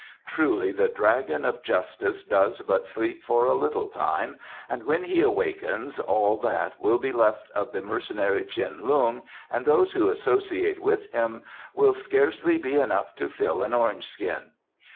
Truly the Dragon of Justice does but sleep for a little time, and when he awakens all that will be left of the mercenary Tsin Lung and those who associate with him will scarcely be enough to fill an orange skin."